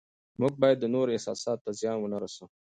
موږ باید د نورو احساساتو ته زیان ونه رسوو